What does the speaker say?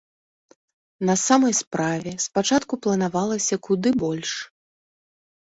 На самай справе, спачатку планавалася куды больш.